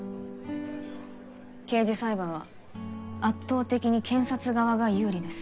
刑事裁判は圧倒的に検察側が有利です